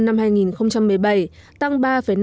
năm hai nghìn một mươi bảy tăng ba năm mươi ba